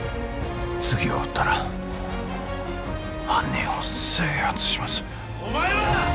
次を撃ったら犯人を制圧しますお前は！